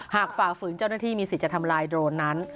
ฝ่าฝืนเจ้าหน้าที่มีสิทธิ์จะทำลายโดรนนั้น